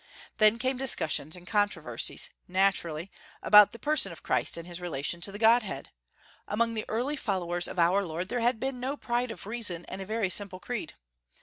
Then came discussions and controversies, naturally, about the person of Christ and his relation to the Godhead. Among the early followers of our Lord there had been no pride of reason and a very simple creed.